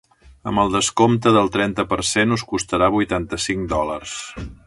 Amb el descompte del trenta per cent us costarà vuitanta-cinc dòlars.